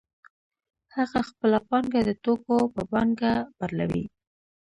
هغه خپله پانګه د توکو په پانګه بدلوي